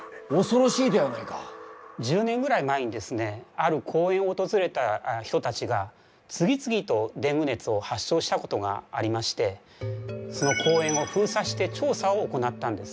ある公園を訪れた人たちが次々とデング熱を発症したことがありましてその公園を封鎖して調査を行ったんです。